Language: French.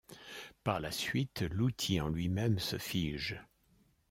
Par la suite, l'outil en lui-même se fige.